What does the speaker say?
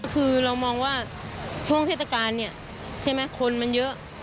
คือเรามองว่าช่วงเทศกาลเนี่ยใช่ไหมคนมันเยอะ